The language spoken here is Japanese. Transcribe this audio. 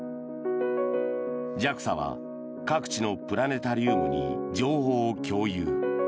ＪＡＸＡは各地のプラネタリウムに情報を共有。